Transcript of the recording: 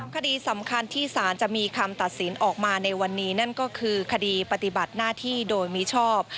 คดีสำคัญที่สารจะมีคำตัดสินออกมาในวันนี้นั่นก็คือคดีปฏิบัติหน้าที่โดยมิชอบ